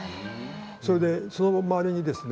それでその周りにですね